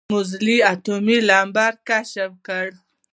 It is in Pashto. موزلي اتومي نمبر کشف کړه.